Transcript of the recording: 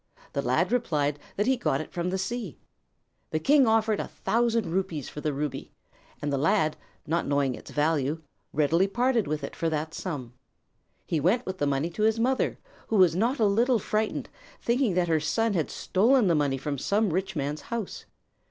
The lad replied that he got it from the sea. The king offered a thousand rupees for the ruby, and the lad, not knowing its value, readily parted with it for that sum. He went with the money to his mother, who was not a little frightened, thinking that her son had stolen the money from some rich man's house.